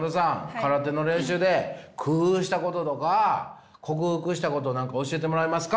空手の練習で工夫したこととか克服したこと何か教えてもらえますか。